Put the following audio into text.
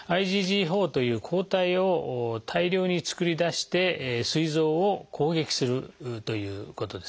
ＩｇＧ４という抗体を大量に作り出してすい臓を攻撃するということですね。